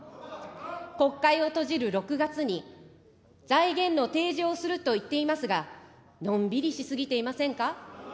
国会を閉じる６月に、財源の提示をするといっていますが、のんびりし過ぎていませんか。